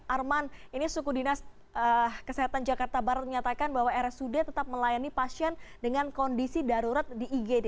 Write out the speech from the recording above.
arman ini suku dinas kesehatan jakarta barat menyatakan bahwa rsud tetap melayani pasien dengan kondisi darurat di igd